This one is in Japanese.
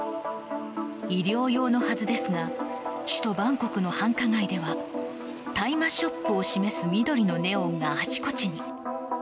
医療用のはずですが首都バンコクの繁華街では大麻ショップを示す緑のネオンがあちこちに。